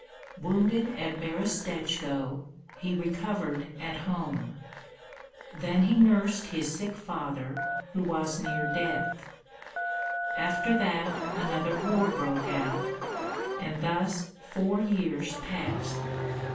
Wounded at Berestechko, he recovered at home; then he nursed his sick father, who was near death; after that another war broke out, and thus four years passed.